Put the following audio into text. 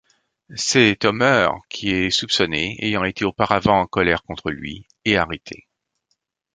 C'est Homer qui est soupçonné, ayant été auparavant en colère contre lui, et arrêté.